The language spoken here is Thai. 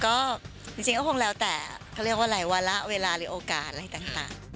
ก็จริงก็คงแล้วแต่เขาเรียกว่าอะไรวาระเวลาหรือโอกาสอะไรต่าง